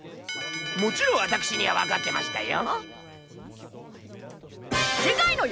もちろん私にはわかってましたよ。